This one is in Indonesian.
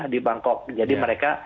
di bangkok jadi mereka